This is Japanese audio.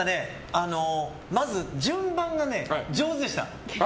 まず、順番が上手でした。